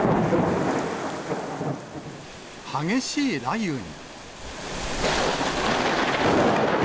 激しい雷雨に。